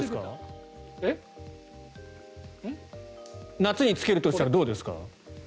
夏に着けるとしたらどうですか？